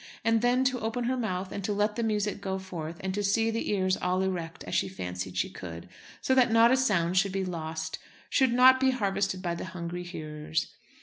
And then to open her mouth and to let the music go forth and to see the ears all erect, as she fancied she could, so that not a sound should be lost, should not be harvested by the hungry hearers!